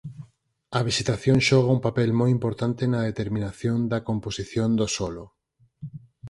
A vexetación xoga un papel moi importante na determinación da composición do solo.